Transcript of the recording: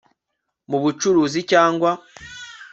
mu bucuruzi cyangwa